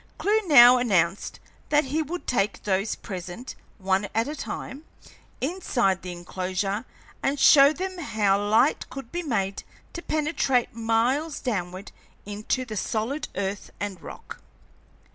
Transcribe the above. Clewe now announced that he would take those present, one at a time, inside the enclosure and show them how light could be made to penetrate miles downward into the solid earth and rock.